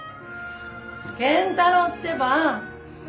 健太郎ってば。